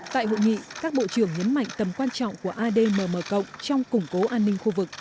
tại hội nghị các bộ trưởng nhấn mạnh tầm quan trọng của admm trong củng cố an ninh khu vực